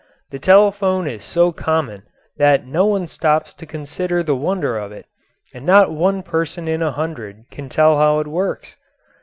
The telephone is so common that no one stops to consider the wonder of it, and not one person in a hundred can tell how it works.